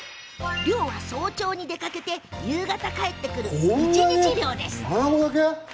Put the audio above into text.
漁は早朝に出かけて夕方帰ってくる、一日漁。